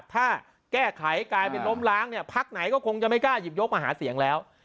ถ้าแก้ไขกลายเป็นล้มล้างเนี่ยพักไหนก็คงจะไม่กล้าหยิบยกมาหาเสียงแล้ว